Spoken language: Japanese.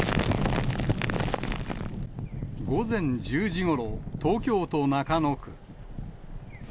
午前１０時ごろ、東京都中野区。